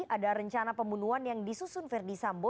ada rencana pembunuhan yang disusun verdi sambo